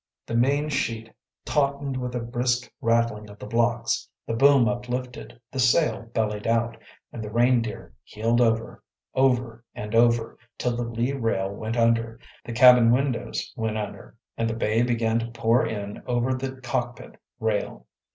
The main sheet tautened with a brisk rattling of the blocks, the boom uplifted, the sail bellied out, and the Reindeer heeled over‚ÄĒover, and over, till the lee rail went under, the cabin windows went under, and the bay began to pour in over the cockpit rail.